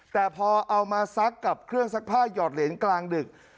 แต่พอเอามาซักกับเครื่องซักผ้าหยอดเหรียญกลางดึก